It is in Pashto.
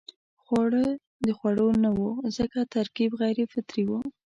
خواړه د خوړو نه وو ځکه ترکیب غیر فطري وو.